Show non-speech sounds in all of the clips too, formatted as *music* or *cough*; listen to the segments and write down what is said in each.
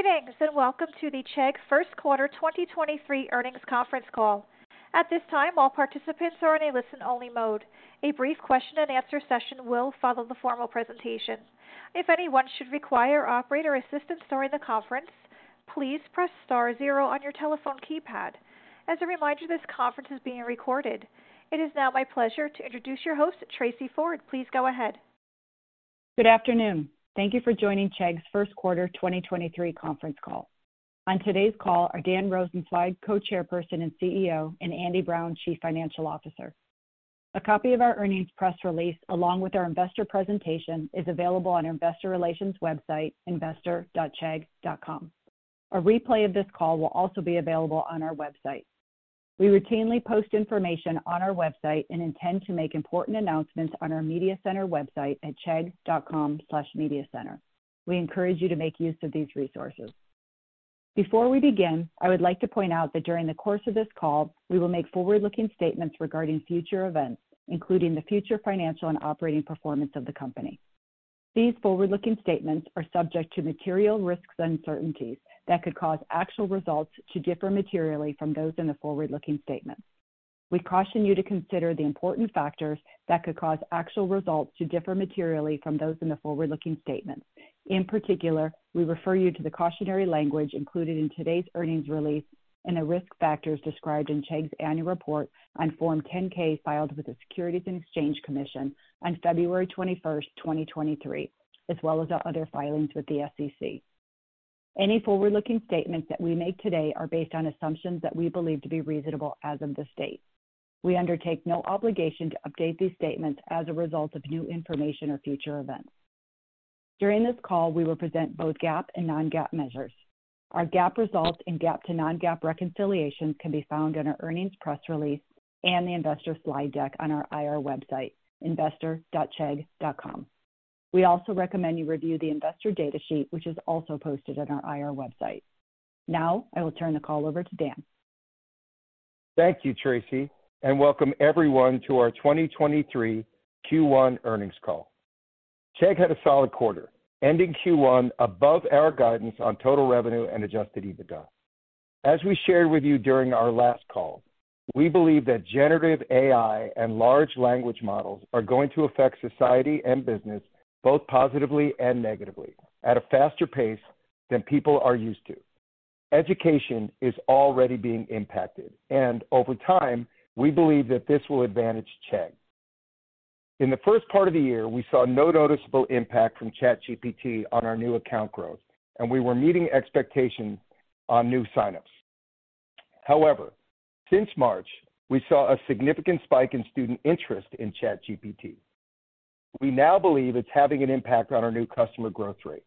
Greetings, welcome to the Chegg First Quarter 2023 Earnings Conference Call. At this time, all participants are in a listen-only mode. A brief question and answer session will follow the formal presentation. If anyone should require operator assistance during the conference, please press star zero on your telephone keypad. As a reminder, this conference is being recorded. It is now my pleasure to introduce your host, Tracey Ford. Please go ahead. Good afternoon. Thank you for joining Chegg's 1st quarter 2023 conference call. On today's call are Dan Rosensweig, Co-Chairperson and CEO, and Andy Brown, Chief Financial Officer. A copy of our earnings press release, along with our investor presentation, is available on our investor relations website, investor.chegg.com. A replay of this call will also be available on our website. We routinely post information on our website and intend to make important announcements on our Media Center website at chegg.com/press. We encourage you to make use of these resources. Before we begin, I would like to point out that during the course of this call, we will make forward-looking statements regarding future events, including the future financial and operating performance of the company. These forward-looking statements are subject to material risks and uncertainties that could cause actual results to differ materially from those in the forward-looking statements. We caution you to consider the important factors that could cause actual results to differ materially from those in the forward-looking statements. In particular, we refer you to the cautionary language included in today's earnings release and the risk factors described in Chegg's annual report on Form 10-K filed with the Securities and Exchange Commission on February 21st, 2023, as well as our other filings with the SEC. Any forward-looking statements that we make today are based on assumptions that we believe to be reasonable as of this date. We undertake no obligation to update these statements as a result of new information or future events. During this call, we will present both GAAP and non-GAAP measures. Our GAAP results and GAAP to non-GAAP reconciliations can be found in our earnings press release and the investor slide deck on our IR website, investor.chegg.com.We also recommend you review the investor data sheet, which is also posted on our IR website. Now, I will turn the call over to Dan. Thank you, Tracey, welcome everyone to our 2023 Q1 earnings call. Chegg had a solid quarter, ending Q1 above our guidance on total revenue and adjusted EBITDA. As we shared with you during our last call, we believe that generative AI and large language models are going to affect society and business both positively and negatively at a faster pace than people are used to. Education is already being impacted, over time, we believe that this will advantage Chegg. In the first part of the year, we saw no noticeable impact from ChatGPT on our new account growth, we were meeting expectations on new signups. However, since March, we saw a significant spike in student interest in ChatGPT. We now believe it's having an impact on our new customer growth rate.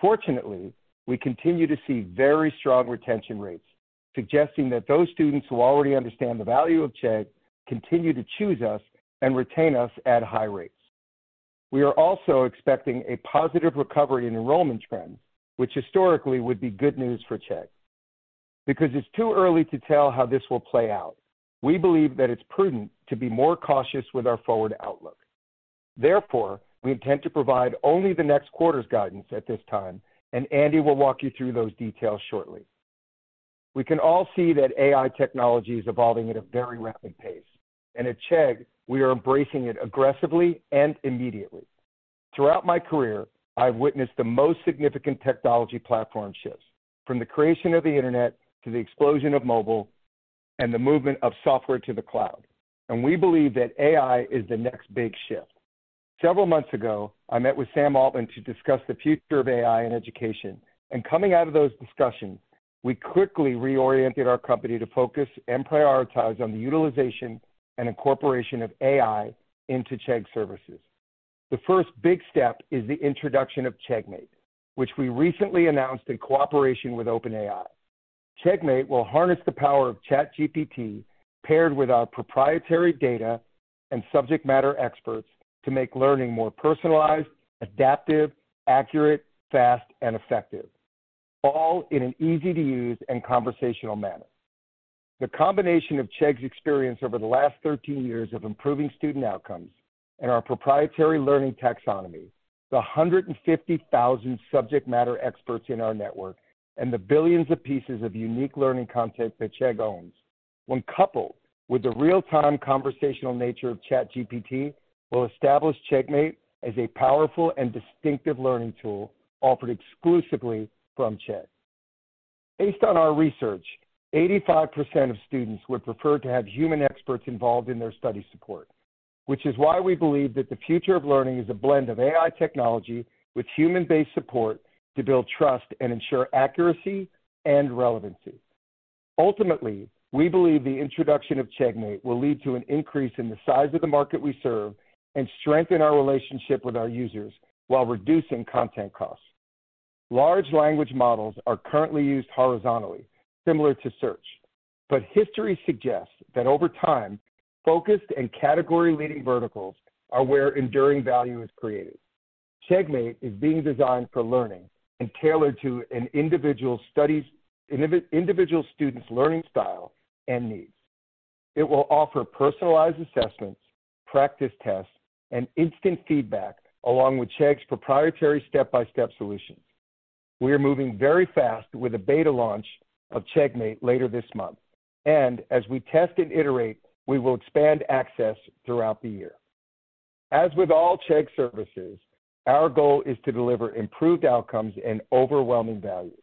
Fortunately, we continue to see very strong retention rates, suggesting that those students who already understand the value of Chegg continue to choose us and retain us at high rates. We are also expecting a positive recovery in enrollment trends, which historically would be good news for Chegg. Because it's too early to tell how this will play out, we believe that it's prudent to be more cautious with our forward outlook. We intend to provide only the next quarter's guidance at this time, Andy will walk you through those details shortly. We can all see that AI technology is evolving at a very rapid pace, at Chegg, we are embracing it aggressively and immediately. Throughout my career, I've witnessed the most significant technology platform shifts, from the creation of the Internet to the explosion of mobile and the movement of software to the cloud. We believe that AI is the next big shift. Several months ago, I met with Sam Altman to discuss the future of AI in education, and coming out of those discussions, we quickly reoriented our company to focus and prioritize on the utilization and incorporation of AI into Chegg services. The first big step is the introduction of CheggMate, which we recently announced in cooperation with OpenAI. CheggMate will harness the power of ChatGPT paired with our proprietary data and subject matter experts to make learning more personalized, adaptive, accurate, fast, and effective, all in an easy-to-use and conversational manner. The combination of Chegg's experience over the last 13 years of improving student outcomes and our proprietary learning taxonomy, the 150,000 subject matter experts in our network, and the billions of pieces of unique learning content that Chegg owns when coupled with the real-time conversational nature of ChatGPT, will establish CheggMate as a powerful and distinctive learning tool offered exclusively from Chegg. Based on our research, 85% of students would prefer to have human experts involved in their study support. Which is why we believe that the future of learning is a blend of AI technology with human-based support to build trust and ensure accuracy and relevancy. Ultimately, we believe the introduction of CheggMate will lead to an increase in the size of the market we serve and strengthen our relationship with our users while reducing content costs. History suggests that over time, focused and category-leading verticals are where enduring value is created. CheggMate is being designed for learning and tailored to an individual student's learning style and needs. It will offer personalized assessments, practice tests, and instant feedback along with Chegg's proprietary step-by-step solution. We are moving very fast with a beta launch of CheggMate later this month. As we test and iterate, we will expand access throughout the year. As with all Chegg services, our goal is to deliver improved outcomes and overwhelming value.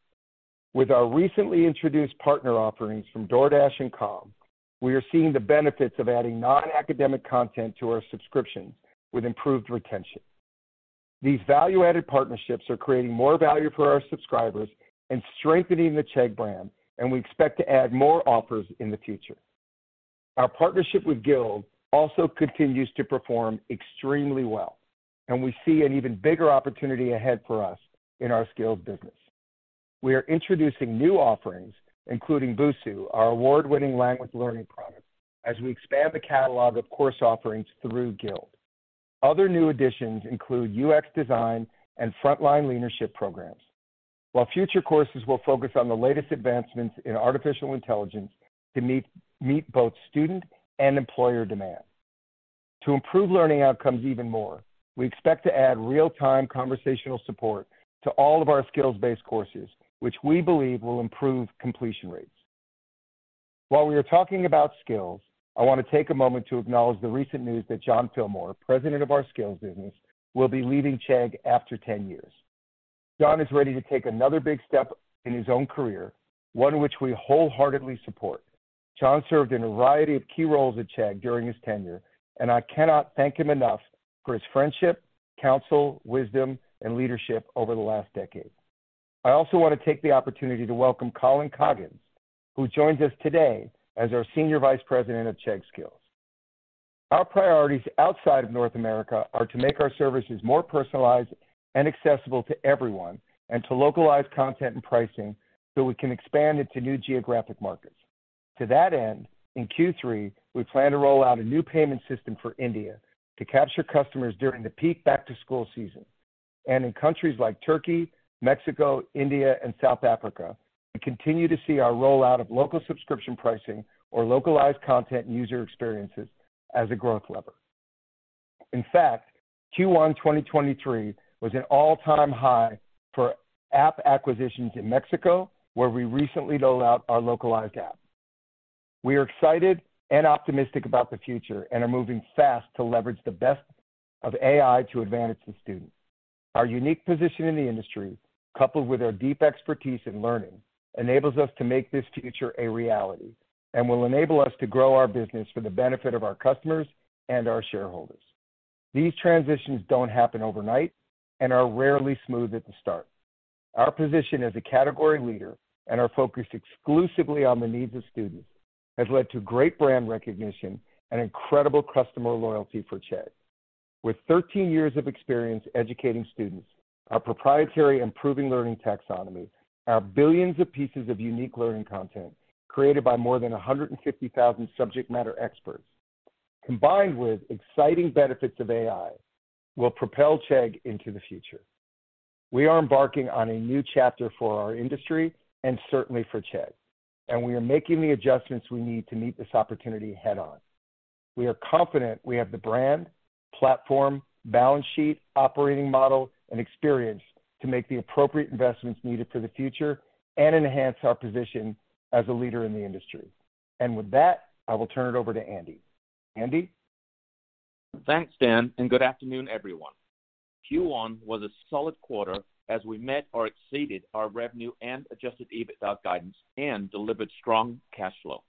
With our recently introduced partner offerings from DoorDash and Calm, we are seeing the benefits of adding non-academic content to our subscriptions with improved retention. These value-added partnerships are creating more value for our subscribers and strengthening the Chegg brand. We expect to add more offers in the future. Our partnership with Guild also continues to perform extremely well. We see an even bigger opportunity ahead for us in our skills business. We are introducing new offerings, including Busuu, our award-winning language learning product, as we expand the catalog of course offerings through Guild. Other new additions include UX design and frontline leadership programs. While future courses will focus on the latest advancements in artificial intelligence to meet both student and employer demand. To improve learning outcomes even more, we expect to add real-time conversational support to all of our skills-based courses, which we believe will improve completion rates. While we are talking about skills, I want to take a moment to acknowledge the recent news that John Fillmore, President of our skills business, will be leaving Chegg after 10 years. John is ready to take another big step in his own career, one which we wholeheartedly support. John served in a variety of key roles at Chegg during his tenure. I cannot thank him enough for his friendship, counsel, wisdom, and leadership over the last decade. I also want to take the opportunity to welcome Colin Coggins, who joins us today as our Senior Vice President of Chegg Skills. Our priorities outside of North America are to make our services more personalized and accessible to everyone and to localize content and pricing so we can expand into new geographic markets. To that end, in Q3, we plan to roll out a new payment system for India to capture customers during the peak back-to-school season. In countries like Turkey, Mexico, India, and South Africa, we continue to see our rollout of local subscription pricing or localized content user experiences as a growth lever. In fact, Q1 2023 was an all-time high for app acquisitions in Mexico, where we recently rolled out our localized app. We are excited and optimistic about the future and are moving fast to leverage the best of AI to advantage the students. Our unique position in the industry, coupled with our deep expertise in learning, enables us to make this future a reality and will enable us to grow our business for the benefit of our customers and our shareholders. These transitions don't happen overnight and are rarely smooth at the start. Our position as a category leader and our focus exclusively on the needs of students has led to great brand recognition and incredible customer loyalty for Chegg. With 13 years of experience educating students, our proprietary improving learning taxonomy, our billions of pieces of unique learning content created by more than 150,000 subject matter experts, combined with exciting benefits of AI, will propel Chegg into the future. We are embarking on a new chapter for our industry and certainly for Chegg, and we are making the adjustments we need to meet this opportunity head-on. We are confident we have the brand, platform, balance sheet, operating model, and experience to make the appropriate investments needed for the future and enhance our position as a leader in the industry. With that, I will turn it over to Andy. Andy? Thanks, Dan. Good afternoon, everyone. Q1 was a solid quarter as we met or exceeded our revenue and adjusted EBITDA guidance and delivered strong cash flow.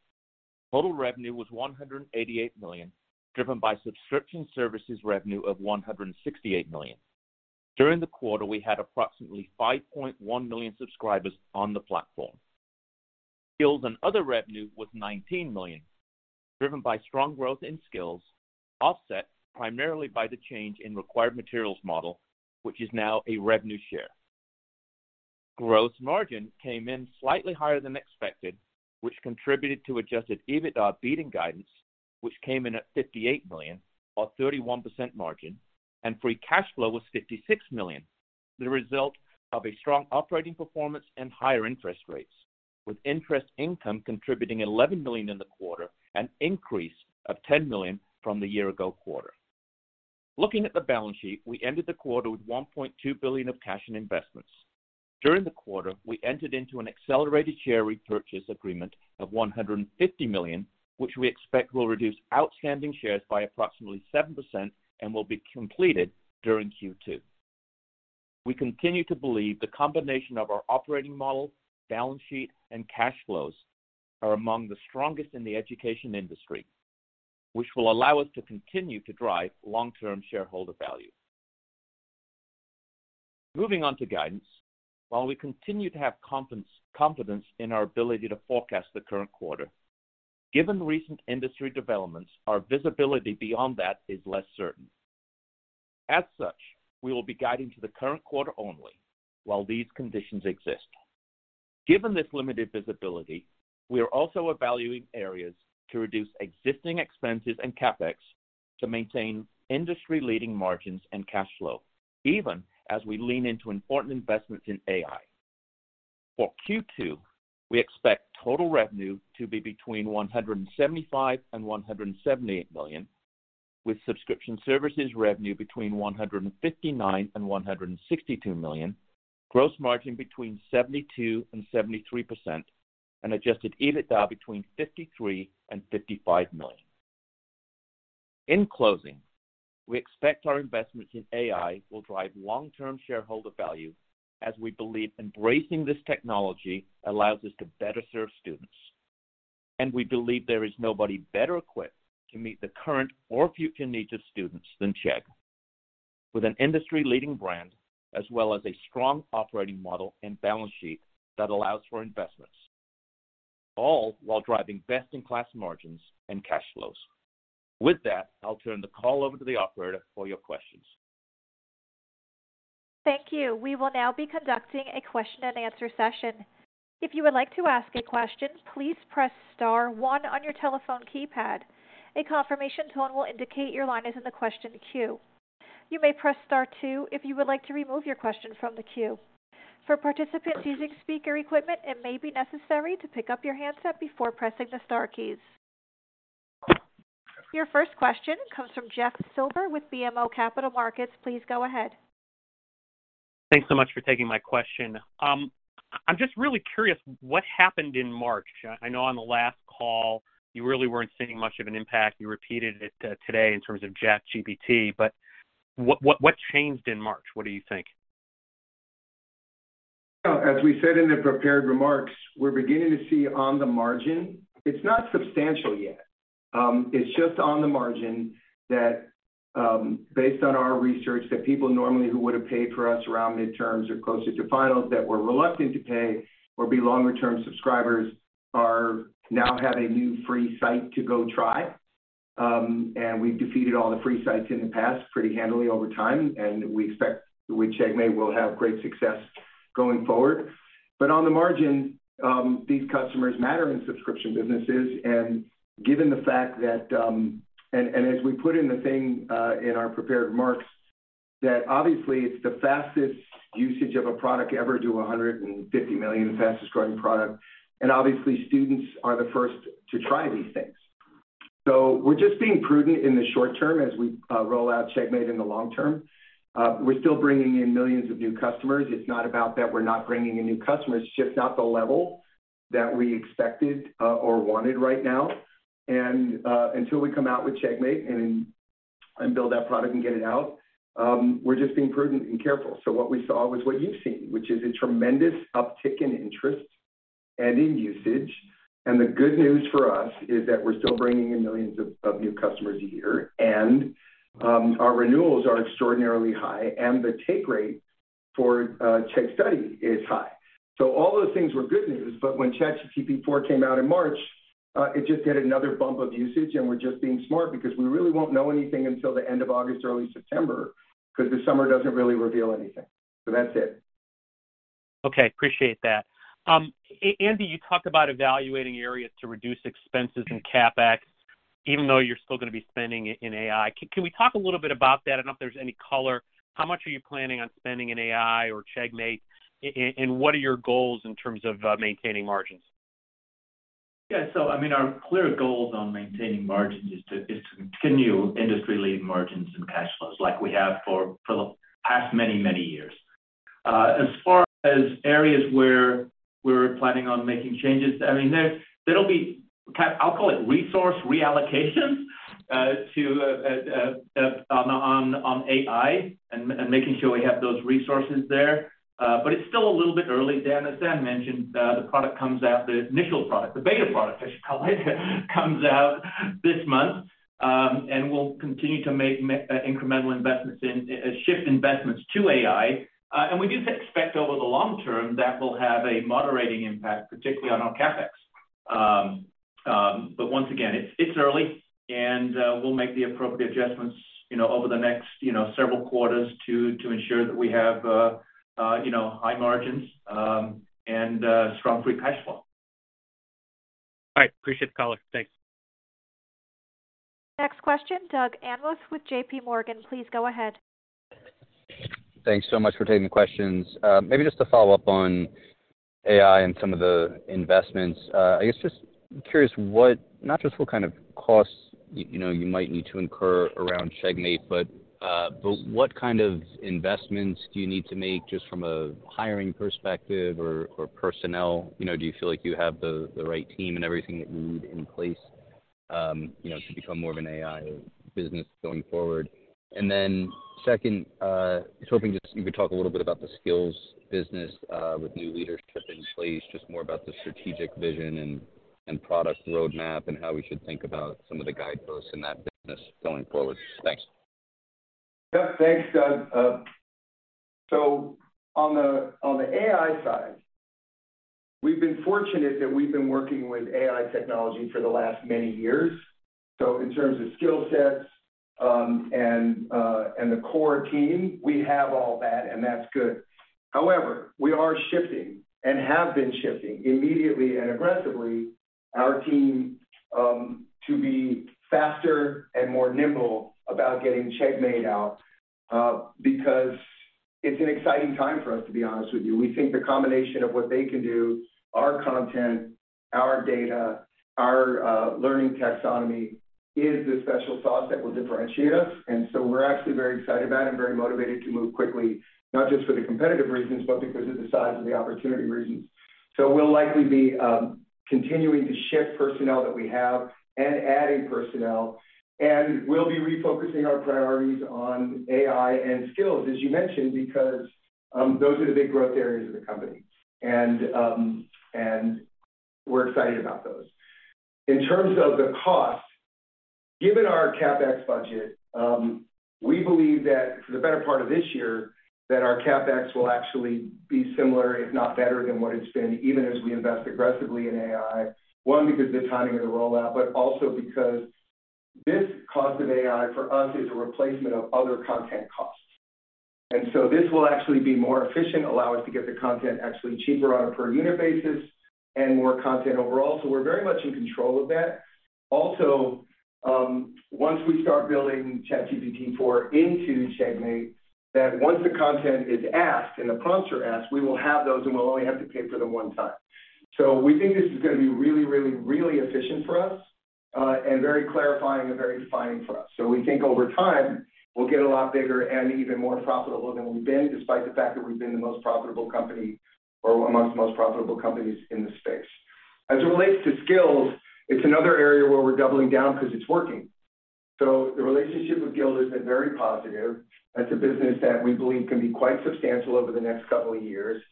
Total revenue was $188 million, driven by subscription services revenue of $168 million. During the quarter, we had approximately 5.1 million subscribers on the platform. Skills and other revenue was $19 million, driven by strong growth in Skills, offset primarily by the change in required materials model, which is now a revenue share. Gross margin came in slightly higher than expected, which contributed to adjusted EBITDA beating guidance, which came in at $58 million, or 31% margin, and free cash flow was $56 million, the result of a strong operating performance and higher interest rates, with interest income contributing $11 million in the quarter, an increase of $10 million from the year-ago quarter. Looking at the balance sheet, we ended the quarter with $1.2 billion of cash and investments. During the quarter, we entered into an accelerated share repurchase agreement of $150 million, which we expect will reduce outstanding shares by approximately 7% and will be completed during Q2. We continue to believe the combination of our operating model, balance sheet, and cash flows are among the strongest in the education industry, which will allow us to continue to drive long-term shareholder value. Moving on to guidance. While we continue to have confidence in our ability to forecast the current quarter, given recent industry developments, our visibility beyond that is less certain. As such, we will be guiding to the current quarter only while these conditions exist. Given this limited visibility, we are also evaluating areas to reduce existing expenses and CapEx to maintain industry-leading margins and cash flow, even as we lean into important investments in AI. For Q2, we expect total revenue to be between $175 million and $178 million, with subscription services revenue between $159 million and $162 million, gross margin between 72% and 73% and adjusted EBITDA between $53 million and $55 million. In closing, we expect our investments in AI will drive long-term shareholder value as we believe embracing this technology allows us to better serve students. We believe there is nobody better equipped to meet the current or future needs of students than Chegg. With an industry-leading brand as well as a strong operating model and balance sheet that allows for investments, all while driving best-in-class margins and cash flows. With that, I'll turn the call over to the operator for your questions. Thank you. We will now be conducting a question and answer session. If you would like to ask a question, please press star one on your telephone keypad. A confirmation tone will indicate your line is in the question queue. You may press star two if you would like to remove your question from the queue. For participants using speaker equipment, it may be necessary to pick up your handset before pressing the star keys. Your first question comes from Jeff Silber with BMO Capital Markets. Please go ahead. Thanks so much for taking my question. I'm just really curious what happened in March. I know on the last call you really weren't seeing much of an impact. You repeated it today in terms of ChatGPT, but what changed in March? What do you think? Well, as we said in the prepared remarks, we're beginning to see on the margin. It's not substantial yet. It's just on the margin that, based on our research, that people normally who would have paid for us around midterms or closer to finals that were reluctant to pay or be longer-term subscribers are now having a new free site to go try. We've defeated all the free sites in the past pretty handily over time, and we expect with CheggMate we'll have great success going forward. On the margin, these customers matter in subscription businesses, and given the fact that, and as we put in the thing in our prepared remarks, that obviously it's the fastest usage of a product ever to 150 million, fastest-growing product. Obviously, students are the first to try these things. We're just being prudent in the short term as we roll out CheggMate in the long term. We're still bringing in millions of new customers. It's not about that we're not bringing in new customers, it's just not the level that we expected or wanted right now. Until we come out with CheggMate and build that product and get it out, we're just being prudent and careful. What we saw was what you've seen, which is a tremendous uptick in interest and in usage. The good news for us is that we're still bringing in millions of new customers a year, and our renewals are extraordinarily high and the take rate for Chegg Study is high. All those things were good news. When ChatGPT 4 came out in March, it just did another bump of usage, and we're just being smart because we really won't know anything until the end of August, early September, 'cause the summer doesn't really reveal anything. That's it. Okay. Appreciate that. Andy, you talked about evaluating areas to reduce expenses and CapEx, even though you're still gonna be spending in AI. Can we talk a little bit about that? I don't know if there's any color. How much are you planning on spending in AI or CheggMate? What are your goals in terms of maintaining margins? I mean, our clear goals on maintaining margins is to continue industry-leading margins and cash flows like we have for the past many, many years. As far as areas where we're planning on making changes, I mean, there'll be I'll call it resource reallocation to on AI and making sure we have those resources there. But it's still a little bit early, Dan. As Dan mentioned, the product comes out, the initial product, the beta product, I should call it, comes out this month. And we'll continue to make incremental investments in shift investments to AI. And we do expect over the long term that will have a moderating impact, particularly on our CapEx. Once again, it's early and we'll make the appropriate adjustments, you know, over the next, you know, several quarters to ensure that we have, you know, high margins, and strong free cash flow. All right. Appreciate the color. Thanks. Next question, Doug Anmuth with JPMorgan. Please go ahead. Thanks so much for taking the questions. Maybe just to follow up on AI and some of the investments. I guess just curious what, not just what kind of costs you know, you might need to incur around CheggMate, but what kind of investments do you need to make just from a hiring perspective or personnel? You know, do you feel like you have the right team and everything that you need in place, you know, to become more of an AI business going forward? Second, just hoping you could talk a little bit about the Skills business, with new leadership in place, just more about the strategic vision and product roadmap, and how we should think about some of the guideposts in that business going forward. Thanks. Yeah. Thanks, Doug. On the AI side, we've been fortunate that we've been working with AI technology for the last many years. In terms of skill sets, and the core team, we have all that, and that's good. However, we are shifting and have been shifting immediately and aggressively to be faster and more nimble about getting CheggMate out, because it's an exciting time for us, to be honest with you. We think the combination of what they can do, our content, our data, our learning taxonomy is the special sauce that will differentiate us. We're actually very excited about it and very motivated to move quickly, not just for the competitive reasons, but because of the size of the opportunity reasons. We'll likely be continuing to shift personnel that we have and adding personnel, we'll be refocusing our priorities on AI and skills, as you mentioned, because those are the big growth areas of the company. We're excited about those. In terms of the cost, given our CapEx budget, we believe that for the better part of this year that our CapEx will actually be similar, if not better than what it's been, even as we invest aggressively in AI, 1, because the timing of the rollout, but also because this cost of AI for us is a replacement of other content costs. This will actually be more efficient, allow us to get the content actually cheaper on a per unit basis and more content overall. We're very much in control of that. Once we start building ChatGPT-4 into CheggMate, that once the content is asked and the prompts are asked, we will have those, and we'll only have to pay for them one time. We think this is gonna be really, really, really efficient for us, and very clarifying and very defining for us. We think over time we'll get a lot bigger and even more profitable than we've been, despite the fact that we've been the most profitable company or amongst the most profitable companies in the space. As it relates to skills, it's another area where we're doubling down because it's working. The relationship with Guild has been very positive. That's a business that we believe can be quite substantial over the next couple of years.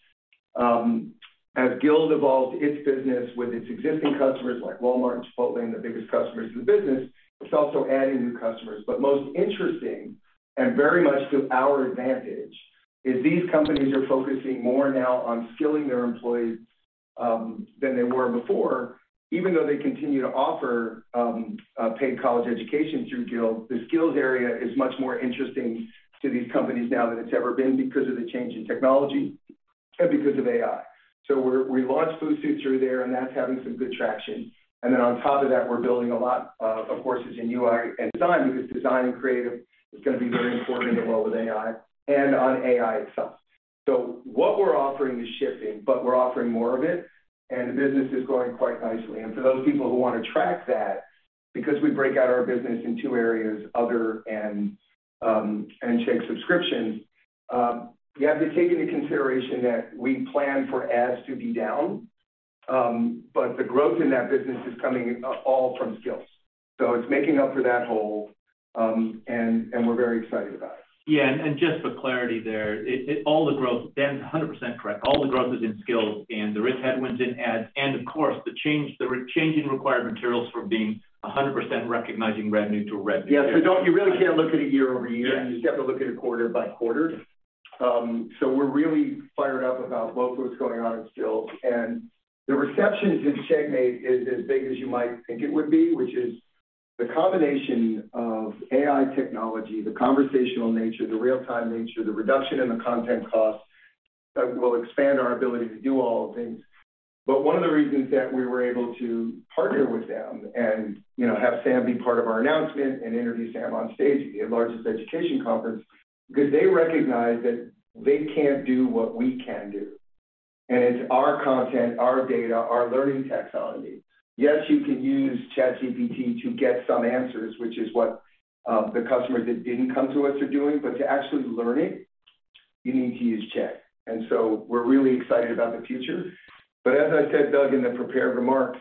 As Guild evolves its business with its existing customers, like Walmart and Chipotle and the biggest customers in the business, it's also adding new customers. Most interesting and very much to our advantage is these companies are focusing more now on skilling their employees than they were before, even though they continue to offer paid college education through Guild. The skills area is much more interesting to these companies now than it's ever been because of the change in technology and because of AI. We launched Busuu through there, and that's having some good traction. Then on top of that, we're building a lot of courses in UI and design because design and creative is gonna be very important in the world with AI and on AI itself. What we're offering is shifting, but we're offering more of it, and the business is growing quite nicely. For those people who wanna track that because we break out our business in two areas, other and Chegg subscription, you have to take into consideration that we plan for ads to be down. The growth in that business is coming all from Skills. It's making up for that hole, and we're very excited about it. Yeah. Just for clarity there, it all the growth. Dan's 100% correct. All the growth is in skills and there is headwinds in ads. Of course, the changing required materials from being 100% recognizing revenue to rev- Yeah. You really can't look at it year-over-year. Yeah. You just have to look at it quarter by quarter. We're really fired up about both what's going on in Chegg Skills. The reception in CheggMate is as big as you might think it would be, which is the combination of AI technology, the conversational nature, the real-time nature, the reduction in the content costs that will expand our ability to do all things. One of the reasons that we were able to partner with them and, you know, have Sam be part of our announcement and interview Sam on stage at the largest education conference because they recognize that they can't do what we can do. It's our content, our data, our learning taxonomy. Yes, you can use ChatGPT to get some answers, which is what, the customers that didn't come to us are doing. To actually learn it, you need to use Chegg. We're really excited about the future. As I said, Doug, in the prepared remarks,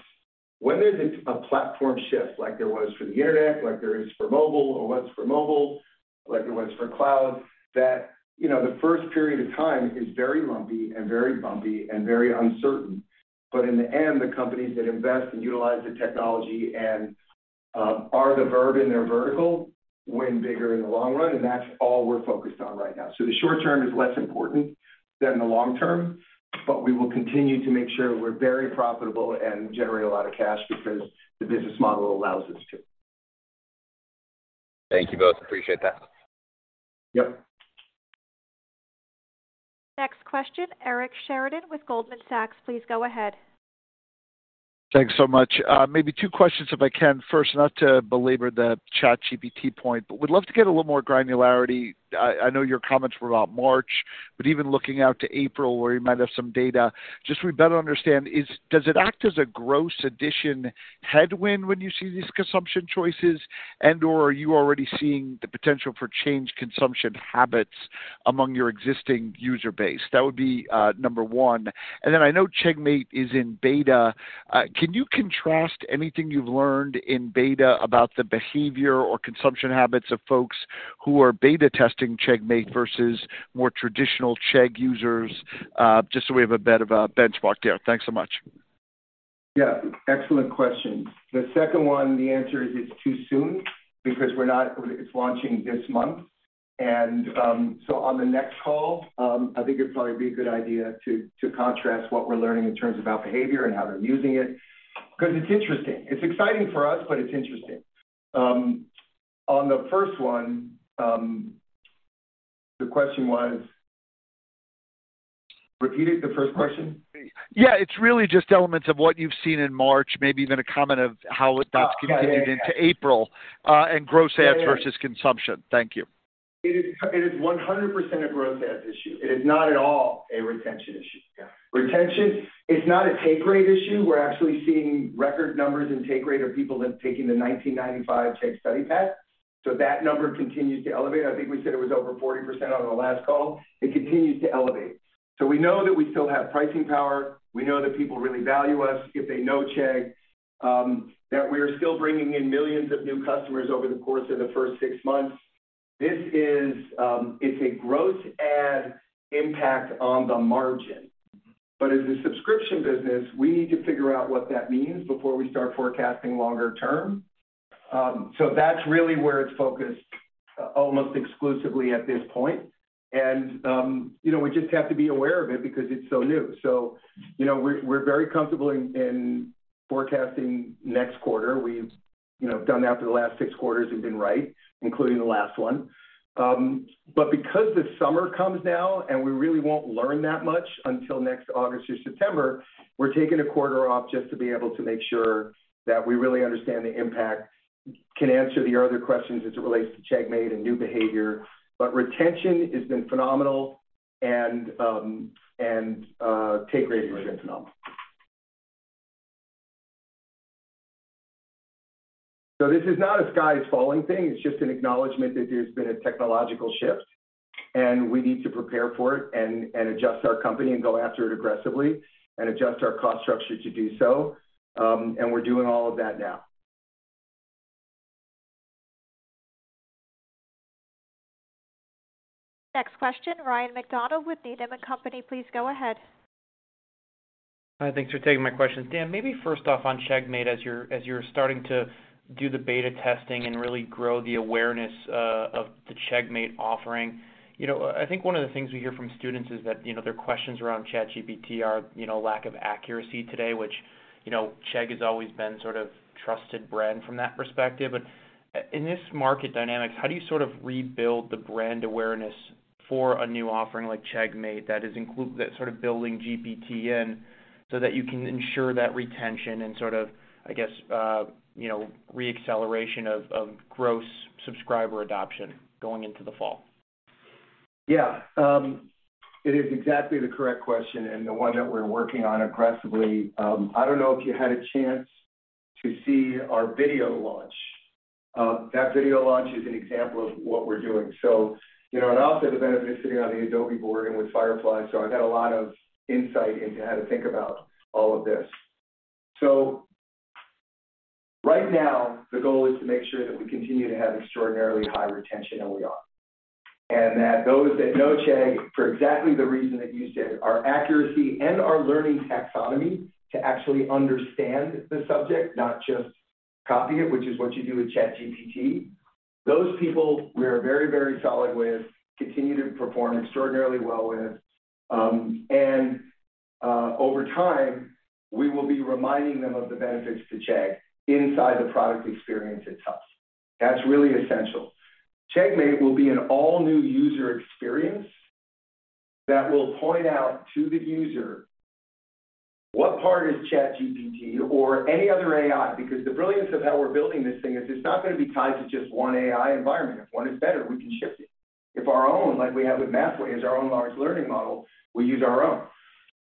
when there's a platform shift, like there was for the internet, like there is for mobile or was for mobile, like it was for cloud, that, you know, the first period of time is very lumpy and very bumpy and very uncertain. In the end, the companies that invest and utilize the technology and are the verb in their vertical win bigger in the long run, and that's all we're focused on right now. The short term is less important than the long term, but we will continue to make sure we're very profitable and generate a lot of cash because the business model allows us to. Thank you both. Appreciate that. Yep. Next question, Eric Sheridan with Goldman Sachs, please go ahead. Thanks so much. Maybe two questions if I can. First, not to belabor the ChatGPT point, but would love to get a little more granularity. I know your comments were about March, but even looking out to April where you might have some data, just so we better understand, does it act as a gross addition headwind when you see these consumption choices and/or are you already seeing the potential for change consumption habits among your existing user base? That would be number one. Then I know CheggMate is in beta. Can you contrast anything you've learned in beta about the behavior or consumption habits of folks who are beta testing CheggMate versus more traditional Chegg users? Just so we have a bit of a benchmark there. Thanks so much. Yeah. Excellent questions. The second one, the answer is it's too soon because it's launching this month. So on the next call, I think it'd probably be a good idea to contrast what we're learning in terms of our behavior and how they're using it, 'cause it's interesting. It's exciting for us, but it's interesting. On the first one, the question was. Repeat it, the first question? Yeah, it's really just elements of what you've seen in March, maybe even a comment of how that's continued into April, and gross adds versus consumption. Thank you. It is 100% a growth adds issue. It is not at all a retention issue. Retention is not a take rate issue. We're actually seeing record numbers in take rate of people that are taking the $19.95 Chegg Study pass. That number continues to elevate. I think we said it was over 40% on the last call. It continues to elevate. We know that we still have pricing power. We know that people really value us if they know Chegg, that we are still bringing in millions of new customers over the course of the first 6 months. This is, it's a growth add impact on the margin. As a subscription business, we need to figure out what that means before we start forecasting longer term. That's really where it's focused almost exclusively at this point. You know, we just have to be aware of it because it's so new. You know, we're very comfortable in forecasting next quarter. We've, you know, done that for the last six quarters and been right, including the last one. Because the summer comes now, and we really won't learn that much until next August or September, we're taking a quarter off just to be able to make sure that we really understand the impact. Can answer your other questions as it relates to CheggMate and new behavior. Retention has been phenomenal and take rate has been phenomenal. This is not a sky is falling thing, it's just an acknowledgement that there's been a technological shift, and we need to prepare for it and adjust our company and go after it aggressively and adjust our cost structure to do so. And we're doing all of that now. Next question, Ryan MacDonald with Needham & Company. Please go ahead. Hi, thanks for taking my questions. Dan, maybe first off on CheggMate, as you're starting to do the beta testing and really grow the awareness of the CheggMate offering. You know, I think one of the things we hear from students is that, you know, their questions around ChatGPT are, you know, lack of accuracy today, which, you know, Chegg has always been sort of trusted brand from that perspective. In this market dynamics, how do you sort of rebuild the brand awareness for a new offering like CheggMate that's sort of building GPT in so that you can ensure that retention and sort of, I guess, you know, re-acceleration of gross subscriber adoption going into the fall? Yeah. It is exactly the correct question and the one that we're working on aggressively. I don't know if you had a chance to see our video launch. That video launch is an example of what we're doing. You know, and I also have the benefit of sitting on the Adobe board and with Firefly, so I've had a lot of insight into how to think about all of this. Right now, the goal is to make sure that we continue to have extraordinarily high retention, and we are. That those that know Chegg for exactly the reason that you said, our accuracy and our learning taxonomy to actually understand the subject, not just copy it, which is what you do with ChatGPT. Those people we are very, very solid with, continue to perform extraordinarily well with. Over time, we will be reminding them of the benefits to Chegg inside the product experience itself. That's really essential. CheggMate will be an all new user experience that will point out to the user what part is ChatGPT or any other AI, because the brilliance of how we're building this thing is it's not gonna be tied to just one AI environment. If one is better, we can shift it. If our own, like we have with Mathway, is our own large learning model, we use our own.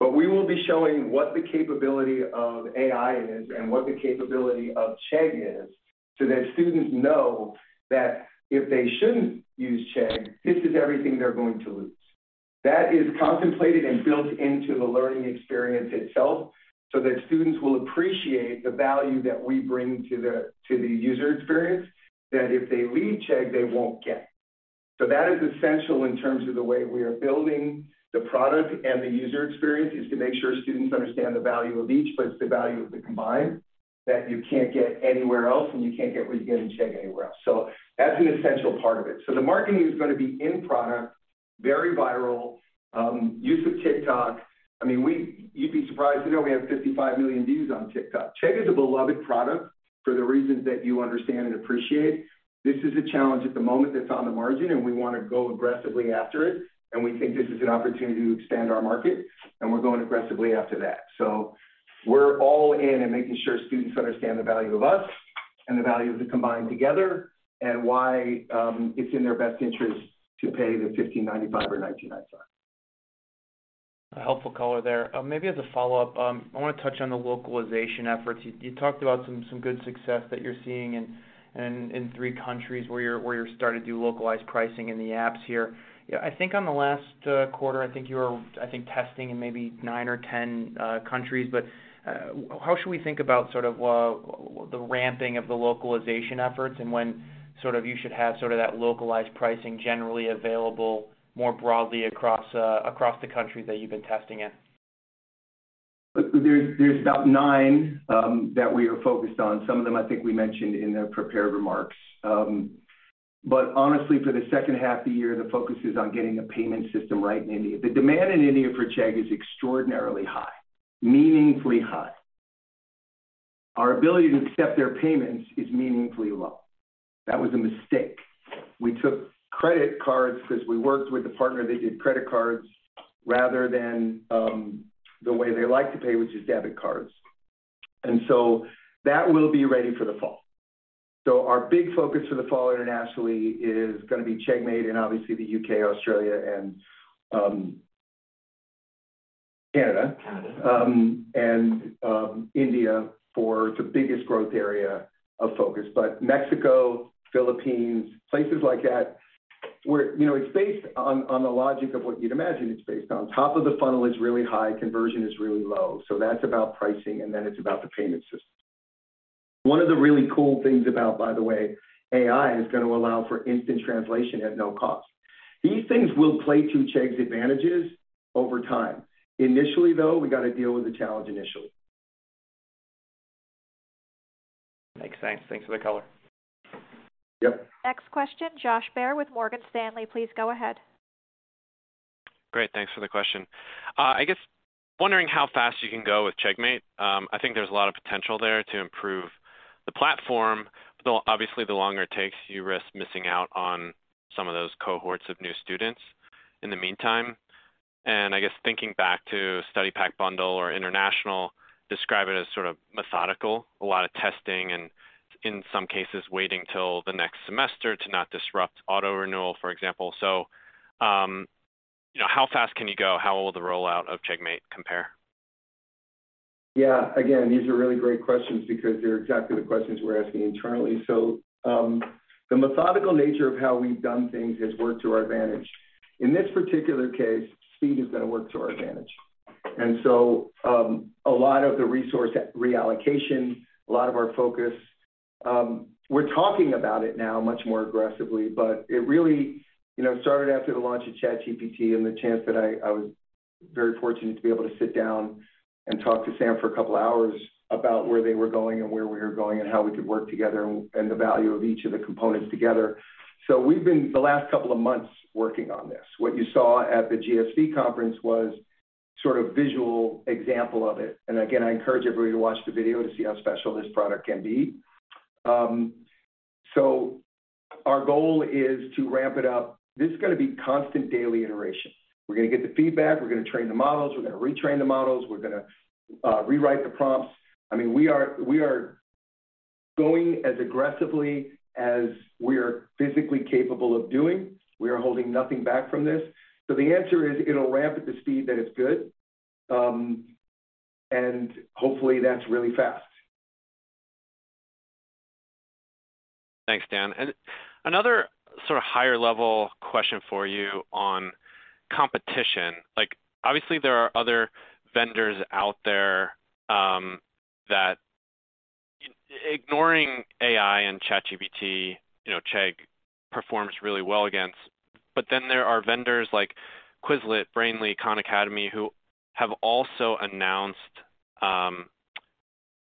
But we will be showing what the capability of AI is and what the capability of Chegg is so that students know that if they shouldn't use Chegg, this is everything they're going to lose. That is contemplated and built into the learning experience itself, so that students will appreciate the value that we bring to the user experience that if they leave Chegg, they won't get. That is essential in terms of the way we are building the product and the user experience, is to make sure students understand the value of each, but it's the value of the combined that you can't get anywhere else, and you can't get what you get in Chegg anywhere else. That's an essential part of it. The marketing is gonna be in-product, very viral, use of TikTok. I mean, you'd be surprised to know we have 55 million views on TikTok. Chegg is a beloved product for the reasons that you understand and appreciate. This is a challenge at the moment that's on the margin, and we wanna go aggressively after it, and we think this is an opportunity to expand our market, and we're going aggressively after that. We're all in in making sure students understand the value of us and the value of the combined together and why it's in their best interest to pay the $15.95 or $19.95. A helpful color there. Maybe as a follow-up, I wanna touch on the localization efforts. You talked about some good success that you're seeing in 3 countries where you're starting to do localized pricing in the apps here. I think on the last quarter, I think you were, I think testing in maybe 9 or 10 countries. How should we think about sort of the ramping of the localization efforts and when sort of you should have sort of that localized pricing generally available more broadly across the countries that you've been testing in? There's about 9 that we are focused on. Some of them I think we mentioned in the prepared remarks. Honestly, for the second half of the year, the focus is on getting the payment system right in India. The demand in India for Chegg is extraordinarily high, meaningfully high. Our ability to accept their payments is meaningfully low. That was a mistake. We took credit cards 'cause we worked with a partner that did credit cards rather than the way they like to pay, which is debit cards. That will be ready for the fall. Our big focus for the fall internationally is gonna be CheggMate in obviously the UK, Australia, and Canada. India for the biggest growth area of focus. Mexico, Philippines, places like that where, you know, it's based on the logic of what you'd imagine it's based on. Top of the funnel is really high, conversion is really low, so that's about pricing, and then it's about the payment system. One of the really cool things about, by the way, AI is gonna allow for instant translation at no cost. These things will play to Chegg's advantages over time. Initially, though, we gotta deal with the challenge initially. Makes sense. Thanks for the color. Yep. Next question, Josh Baer with Morgan Stanley. Please go ahead. Great. Thanks for the question. I guess wondering how fast you can go with CheggMate. I think there's a lot of potential there to improve the platform, though obviously the longer it takes, you risk missing out on some of those cohorts of new students in the meantime. I guess thinking back to Study Pack Bundle or international, describe it as sort of methodical, a lot of testing and in some cases waiting till the next semester to not disrupt auto-renewal, for example. You know, how fast can you go? How will the rollout of CheggMate compare? Yeah. Again, these are really great questions because they're exactly the questions we're asking internally. The methodical nature of how we've done things has worked to our advantage. In this particular case, speed is gonna work to our advantage. A lot of the resource reallocation, a lot of our focus, we're talking about it now much more aggressively, but it really, you know, started after the launch of ChatGPT and the chance that I was very fortunate to be able to sit down and talk to Sam for a couple hours about where they were going and where we were going and how we could work together and the value of each of the components together. We've been, the last couple of months, working on this. What you saw at the GSV conference was sort of visual example of it. Again, I encourage everybody to watch the video to see how special this product can be. Our goal is to ramp it up. This is gonna be constant daily iterations. We're gonna get the feedback, we're gonna train the models, we're gonna retrain the models, we're gonna rewrite the prompts. I mean, we are going as aggressively as we are physically capable of doing. We are holding nothing back from this. The answer is, it'll ramp at the speed that it's good, and hopefully that's really fast. Thanks, Dan. Another sorta higher level question for you on competition. Like, obviously there are other vendors out there, that ignoring AI and ChatGPT, you know, Chegg performs really well against. Then there are vendors like Quizlet, Brainly, Khan Academy, who have also announced,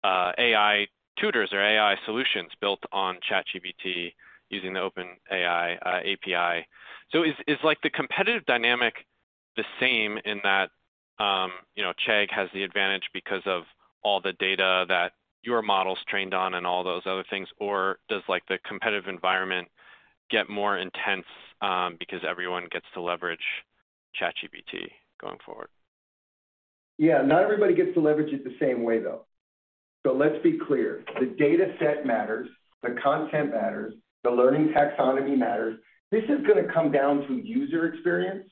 AI tutors or AI solutions built on ChatGPT using the OpenAI API. Is, like, the competitive dynamic the same in that, you know, Chegg has the advantage because of all the data that your model's trained on and all those other things, or does, like, the competitive environment get more intense, because everyone gets to leverage ChatGPT going forward? Yeah. Not everybody gets to leverage it the same way, though. Let's be clear. The data set matters, the content matters, the learning taxonomy matters. This is gonna come down to user experience,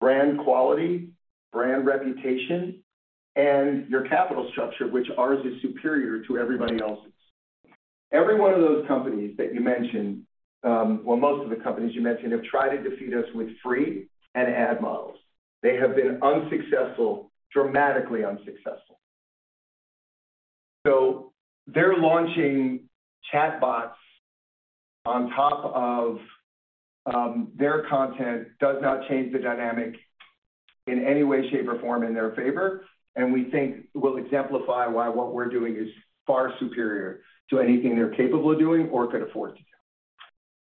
brand quality, brand reputation, and your capital structure, which ours is superior to everybody else's. Every one of those companies that you mentioned, well, most of the companies you mentioned, have tried to defeat us with free and ad models. They have been unsuccessful, dramatically unsuccessful. Their launching chatbots on top of their content does not change the dynamic in any way, shape, or form in their favor, and we think will exemplify why what we're doing is far superior to anything they're capable of doing or could afford to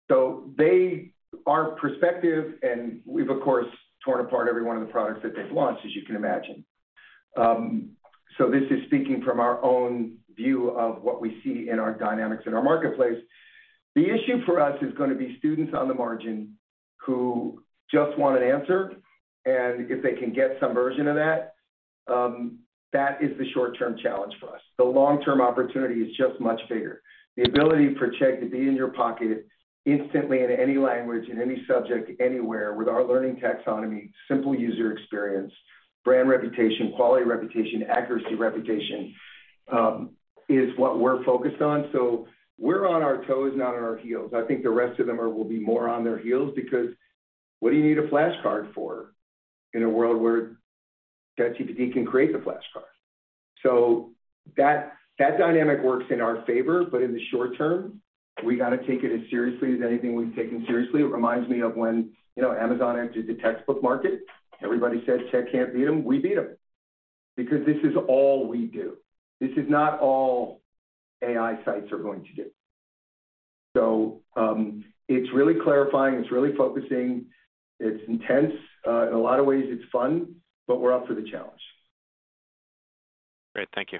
do. Our perspective, and we've of course torn apart every one of the products that they've launched, as you can imagine. This is speaking from our own view of what we see in our dynamics in our marketplace. The issue for us is gonna be students on the margin who just want an answer, and if they can get some version of that is the short-term challenge for us. The long-term opportunity is just much bigger. The ability for Chegg to be in your pocket instantly in any language, in any subject, anywhere with our learning taxonomy, simple user experience, brand reputation, quality reputation, accuracy reputation, is what we're focused on. We're on our toes, not on our heels. I think the rest of them will be more on their heels because what do you need a flashcard for in a world where ChatGPT can create the flashcard? That dynamic works in our favor, but in the short term, we gotta take it as seriously as anything we've taken seriously. It reminds me of when, you know, Amazon entered the textbook market. Everybody said Chegg can't beat them. We beat them because this is all we do. This is not all AI sites are going to do. It's really clarifying, it's really focusing. It's intense. In a lot of ways it's fun, but we're up for the challenge. Great. Thank you.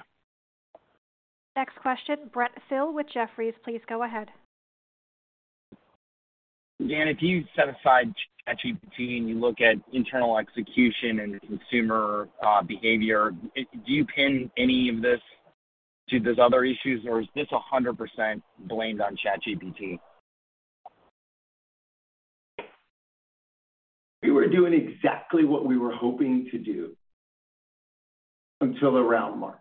Next question, Brent Thill with Jefferies, please go ahead. Dan, if you set aside ChatGPT and you look at internal execution and consumer behavior, do you pin any of this to those other issues, or is this 100% blamed on ChatGPT? We were doing exactly what we were hoping to do until around March.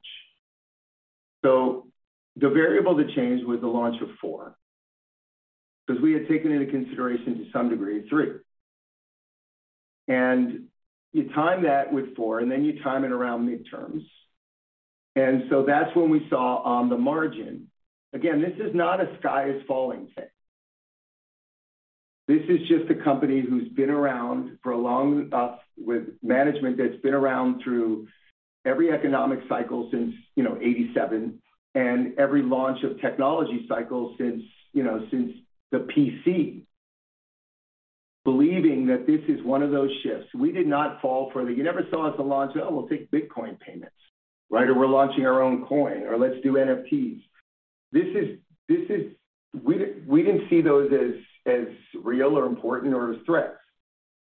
The variable that changed was the launch of four, because we had taken into consideration to some degree, three. You time that with four, then you time it around midterms. That's when we saw on the margin. Again, this is not a sky is falling thing. This is just a company who's been around for a long enough with management that's been around through every economic cycle since, you know, 87, and every launch of technology cycle since, you know, since the PC, believing that this is one of those shifts. We did not fall for the... You never saw us launch, "Oh, we'll take Bitcoin payments," right? We're launching our own coin," or, "Let's do NFTs." This is. We didn't see those as real or important or as threats.